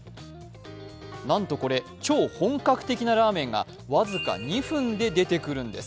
なんとこれ、超本格的なラーメンが僅か２分で出てくるんです。